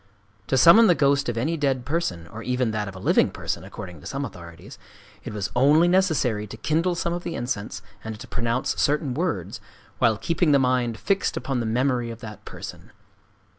To summon the ghost of any dead person—or even that of a living person, according to some authorities,—it was only necessary to kindle some of the incense, and to pronounce certain words, while keeping the mind fixed upon the memory of that person.